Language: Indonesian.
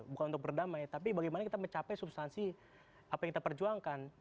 bukan untuk berdamai tapi bagaimana kita mencapai substansi apa yang kita perjuangkan